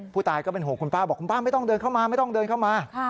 ผู้ตายก็เป็นโหกคุณป้าบอกคุณป้าไม่ต้องเดินเข้ามา